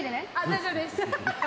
「大丈夫です」